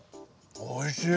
おいしい。